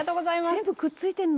「全部くっついてるの？」